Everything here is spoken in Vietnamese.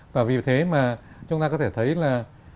và vì thế mà chúng ta có thể thấy là